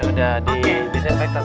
udah di disinfektan